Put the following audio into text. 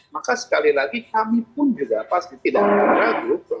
maka sekali lagi kami pun juga pasti tidak akan ragu